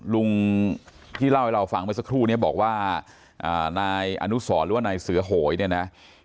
ลุงที่เล่าให้เราฟังเมื่อสักครู่นี้บอกว่านายอนุสรหรือว่านายเสือโหยเนี่ยนะ